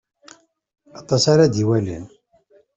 Atas ara d-iwalin.